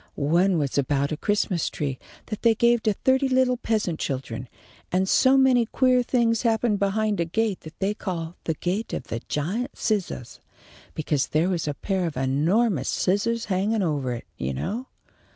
One was about a Christmas tree that they gave to thirty little peasant children, and so many queer things happened behind a gate that they called the 'Gate of the Giant Scissahs,' because there was a pair of enormous scissahs hanging ovah it, you know.